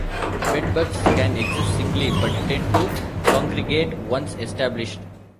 Bed bugs can exist singly, but tend to congregate once established.